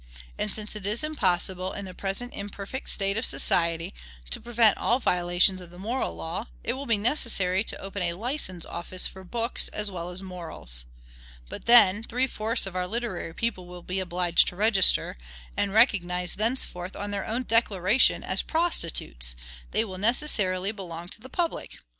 And since it is impossible, in the present imperfect state of society, to prevent all violations of the moral law, it will be necessary to open a license office for books as well as morals. But, then, three fourths of our literary people will be obliged to register; and, recognized thenceforth on their own declaration as PROSTITUTES, they will necessarily belong to the public.